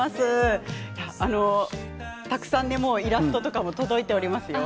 たくさんイラストとかも届いておりますよ。